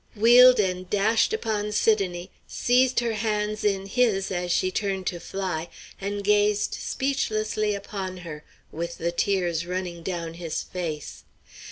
wheeled and dashed upon Sidonie, seized her hands in his as she turned to fly, and gazed speechlessly upon her, with the tears running down his face.